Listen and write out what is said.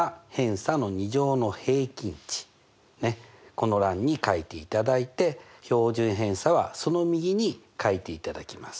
この欄に書いていただいて標準偏差はその右に書いていただきます。